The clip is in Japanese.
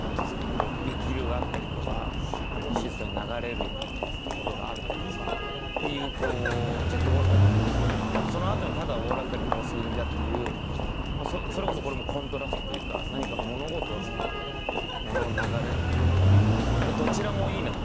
激流があったりとか静かに流れるところがあったりとかっていうこうジェットコースターじゃないですけどそのあとに「ただ大らかにもうすぐ海だ」っていうそれこそこれもコントラストというか何か物事のものの流れっていうどちらもいいなと。